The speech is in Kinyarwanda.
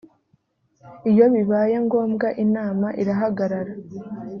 iyo bibaye ngombwa inama irahagarara